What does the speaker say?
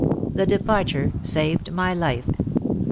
The departure saved my life.